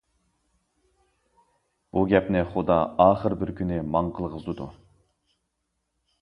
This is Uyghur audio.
بۇ گەپنى خۇدا ئاخىر بىر كۈنى ماڭ قىلغۇزىدۇ.